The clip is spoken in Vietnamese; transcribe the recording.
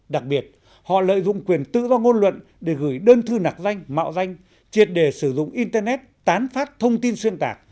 đặc biệt họ lợi dụng quyền tự do ngôn luận để gửi đơn thư nạc danh mạo danh triệt đề sử dụng internet tán phát thông tin xuyên tạc